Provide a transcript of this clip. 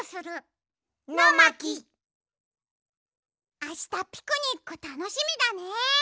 あしたピクニックたのしみだね！